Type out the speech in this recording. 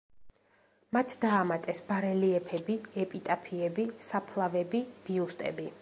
მათ დაამატეს ბარელიეფები, ეპიტაფიები, საფლავები, ბიუსტები.